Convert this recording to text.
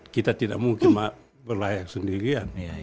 kita tidak mungkin berlayak sendirian